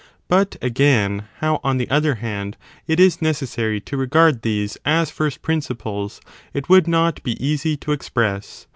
But, again, how, on the other hand, it is necessary to regard these as first prin<«^ ciples, it would not be easy to express.